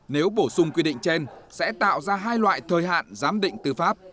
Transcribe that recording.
nếu bổ sung quy định trên sẽ tạo ra hai loại thời hạn giám định tư pháp